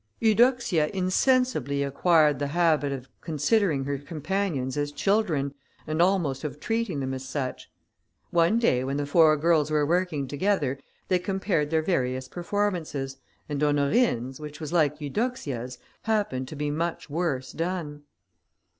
Eudoxia insensibly acquired the habit of considering her companions as children, and almost of treating them as such. One day when the four girls were working together, they compared their various performances, and Honorine's, which was like Eudoxia's, happened to be much worse done.